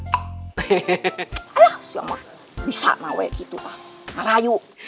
alah siapa bisa mah weh gitu pak marah yuk